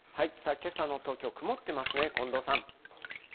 けさの東京、曇ってますね、近藤さん。